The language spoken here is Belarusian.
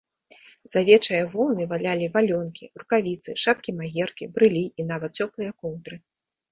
З авечае воўны валялі валёнкі, рукавіцы, шапкі-магеркі, брылі і нават цёплыя коўдры.